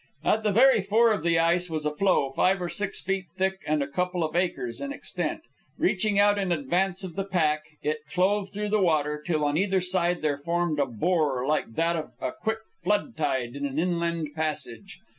At the very fore of the ice was a floe five or six feet thick and a couple of acres in extent. Reaching out in advance of the pack, it clove through the water till on either side there formed a bore like that of a quick flood tide in an inland passage.